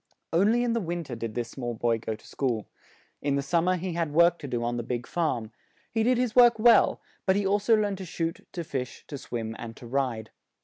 On ly in the win ter did this small boy go to school; in the sum mer he had work to do on the big farm; he did his work well; but he also learned to shoot, to fish, to swim, and to ride.